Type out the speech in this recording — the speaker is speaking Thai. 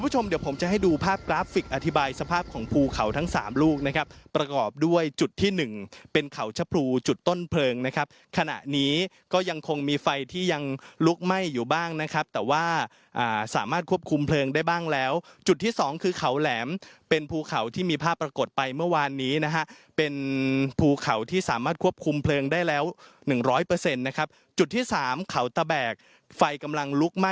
หนึ่งเป็นเขาชะพรูจุดต้นเพลิงนะครับขณะนี้ก็ยังคงมีไฟที่ยังลุกไหม้อยู่บ้างนะครับแต่ว่าอ่าสามารถควบคุมเพลิงได้บ้างแล้วจุดที่สองคือเขาแหลมเป็นภูเขาที่มีภาพปรากฏไปเมื่อวานนี้นะฮะเป็นภูเขาที่สามารถควบคุมเพลิงได้แล้วหนึ่งร้อยเปอร์เซ็นต์นะครับจุดที่สามเขาตะแบกไฟกำลัง